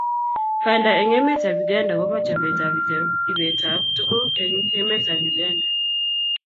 Banda eng emetab Uganda kobo chopetab ibetap tuguk eng emetab Uganda